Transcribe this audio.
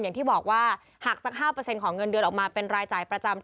อย่างที่บอกว่าหักสัก๕ของเงินเดือนออกมาเป็นรายจ่ายประจำ